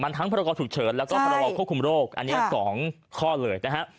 มันทังพรกรฉุกเฉินและก็ตอบฐานก้อควบคุมโรคอันนี้อย่างสองข้อเลอดนะฮะ